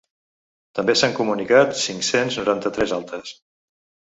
També s’han comunicat cinc-cents noranta-tres altes.